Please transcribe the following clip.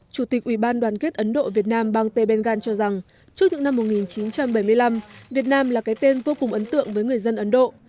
chủ tịch ubnd ấn độ việt nam bang tây bèn gàn cho rằng trước những năm một nghìn chín trăm bảy mươi năm việt nam là cái tên vô cùng ấn tượng với người dân ấn độ